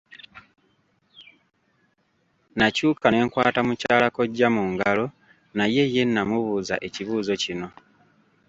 Nakyuka ne nkwata mukyala kkojja mu ngalo naye ye namubuuza ekibuuzo kino.